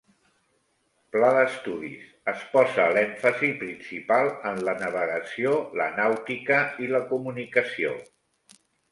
Pla d'estudis: es posa l'èmfasi principal en la navegació, la nàutica i la comunicació.